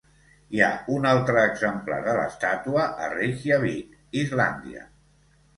Hi ha un altre exemplar de l'estàtua a Reykjavík, Islàndia.